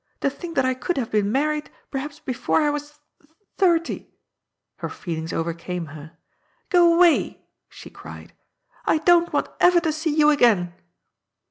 To think that I could have been married perhaps before I was th th thirty !"— ^her feelings overcame her. —^^ Go away !" she cried, '* I don't want ever to see you again